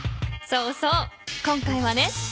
そうそう今回はね